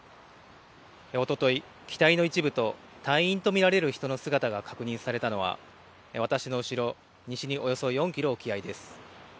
おととい、機体の一部と隊員と見られる人の姿が確認されたのは、私の後ろ、西におよそ４キロ沖合です。